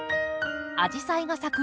アジサイが咲く